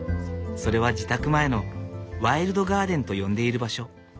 それは自宅前のワイルドガーデンと呼んでいる場所。